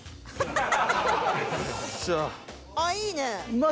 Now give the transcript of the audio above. あっいいね。